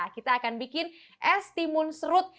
kita akan bikin es timun serut